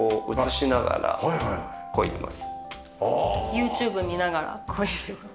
ＹｏｕＴｕｂｅ見ながらこいでます。